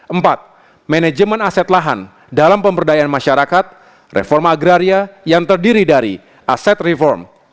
empat manajemen aset lahan dalam pemberdayaan masyarakat reforma agraria yang terdiri dari aset reform